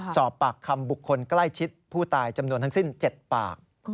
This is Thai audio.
สอบปากคำบุคคลใกล้ชิดผู้ตายจำนวนทั้งสิ้น๗ปาก